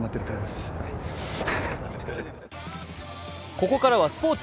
ここからはスポーツ。